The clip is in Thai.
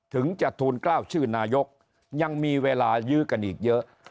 ถึงจะทูลกล้าวชื่อนายกยังมีเวลายื้อกันอีกเยอะ